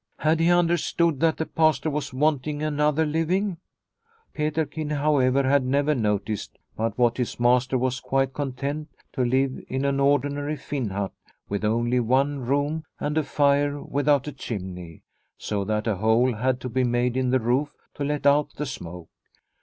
Had he understood that the Pastor was wanting another living ? Peterkin, however, had never noticed but what his master was quite con tent to live in an ordinary Finn hut with only one room and a fire without a chimney, so that a hole had to be made in the roof to let out the smoke.